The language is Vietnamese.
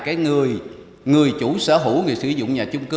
cái người người chủ sở hữu người sử dụng nhà chung cư